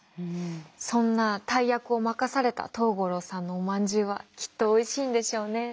そんな大役を任された藤五郎さんのおまんじゅうはきっとおいしいんでしょうね。